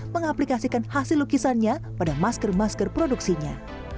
mengaplikasikan hasil lukisannya pada masker masker produksinya